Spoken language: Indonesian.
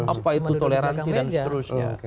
apa itu toleransi dan seterusnya